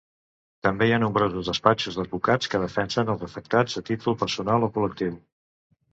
També hi ha nombrosos despatxos d'advocats que defensen als afectats a títol personal o col·lectiu.